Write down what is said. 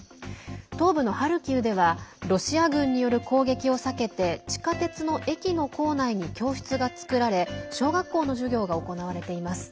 東部のハルキウではロシア軍による攻撃を避けて地下鉄の駅の構内に教室が作られ小学校の授業が行われています。